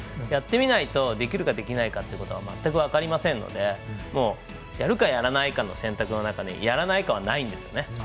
やってみないとできるかできないかということは全く分かりませんのでやるかやらないかの選択の中にやらないかはないんですよね。